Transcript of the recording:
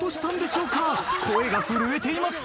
声が震えています。